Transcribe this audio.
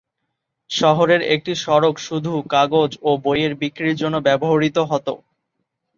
শহরের একটি সড়ক শুধু কাগজ ও বইয়ের বিক্রির জন্য ব্যবহৃত হত।